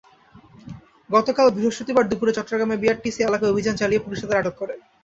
গতকাল বৃহস্পতিবার দুপুরে চট্টগ্রামের বিটিআরটিসি এলাকায় অভিযান চালিয়ে পুলিশ তাদের আটক করে।